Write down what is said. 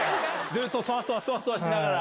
ずっとそわそわしながら。